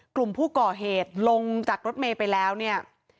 กลุ่มผู้ก่อเหตุลงจากรถเมย์ไปแล้วเนี่ย